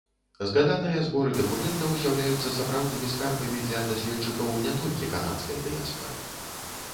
Згаданыя зборы дакументаў з'яўляюцца сапраўднымі скарбамі для даследчыкаў не толькі канадскай дыяспары.